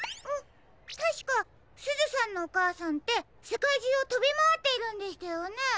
たしかすずさんのおかあさんってせかいじゅうをとびまわっているんでしたよね？